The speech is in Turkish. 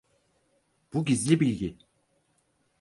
Bu gizli bilgi.